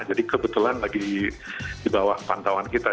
jadi kebetulan lagi di bawah pantauan kita